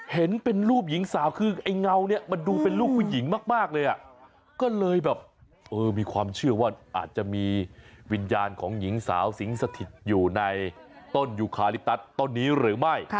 เห็นเป็นรูปหญิงสาวคือไอ้เงาเนี่ยมันดูเป็นลูกผู้หญิงมากเลยอ่ะก็เลยแบบเออมีความเชื่อว่าอาจจะมีวิญญาณของหญิงสาวสิงสถิตอยู่ในต้นยูคาลิตัสต้นนี้หรือไม่